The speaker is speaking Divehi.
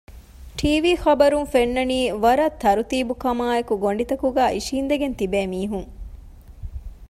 ޓީވީ ޚަބަރުން ފެންނަނީ ވަރަށް ތަރުތީބުކަމާއެކު ގޮޑިތަކުގައި އިށީނދެގެން ތިބޭ މީހުން